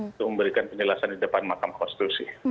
untuk memberikan penjelasan di depan makam konstitusi